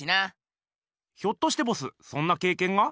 ひょっとしてボスそんなけいけんが？